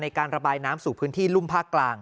ในการระบายน้ำสู่พื้นที่รุ่มภาคกลาง